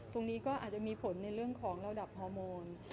ตรงนี้ก็อาจจะมีผลในเรื่องของระดับฮอร์โมน